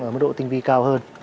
mức độ tinh vi cao hơn